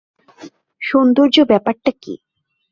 সৌন্দর্য ব্যাপারটা কি?